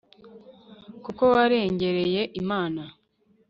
kuko warengereye imana